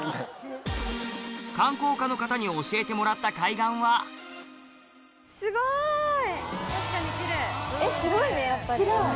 観光課の方に教えてもらった海岸はうわ！